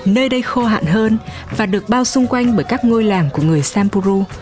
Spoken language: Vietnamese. nơi đây khô hạn hơn và được bao xung quanh bởi các ngôi làng của người sampuru